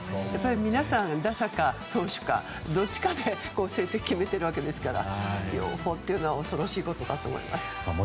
皆さん、打者か投手かどっちかで成績を上げているわけですから両方というのは恐ろしいことですよね。